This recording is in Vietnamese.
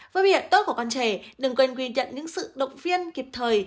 với việc tốt của con trẻ đừng quên ghi nhận những sự động viên kịp thời